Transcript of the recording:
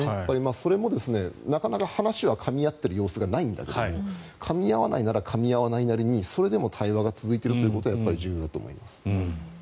それもなかなか話はかみ合っている様子はないんだけどかみ合わないならかみ合わないなりにそれでも対話が続いているということが重要だと思います。